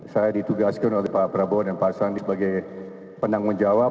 saya ditugaskan oleh pak prabowo dan pak sandi sebagai penanggung jawab